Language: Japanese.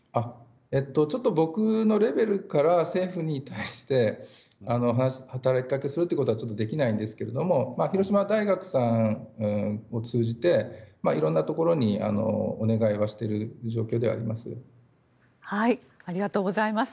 ちょっと僕のレベルから政府に対して働きかけするということはできないんですが広島大学さんを通じていろんなところにお願いはしている状況ではあります。